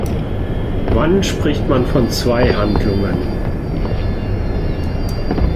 Wann spricht man von zwei Handlungen?